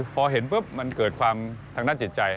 พอเห็นปุ๊บมันเกิดความทางด้านจิตใจ